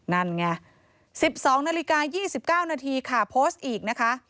นั่นไง๑๒นาฬิกา๒๙นาทีค่ะโพสต์อีกนะคะ